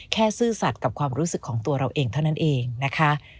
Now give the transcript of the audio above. ซื่อสัตว์กับความรู้สึกของตัวเราเองเท่านั้นเองนะคะ